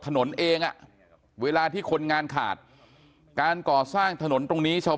ถนนเองอ่ะเวลาที่คนงานขาดการก่อสร้างถนนตรงนี้ชาว